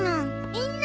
みんな！